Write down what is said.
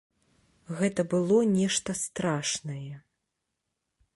Гэта было нешта страшнае.